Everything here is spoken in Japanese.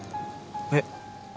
えっ？